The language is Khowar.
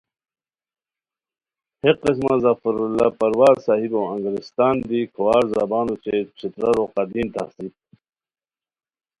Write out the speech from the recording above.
ہے قسمہ ظفراللہ پروازؔ صاحبو انگریستان دی کھوار زبان اوچے ݯھترارو قدیم تہذیب